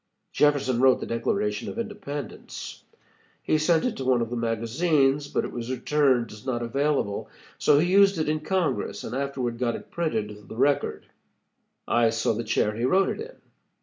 Jefferson wrote the Declaration of Independence. He sent it to one of the magazines, but it was returned as not available, so he used it in Congress and afterward got it printed in the Record. I saw the chair he wrote it in.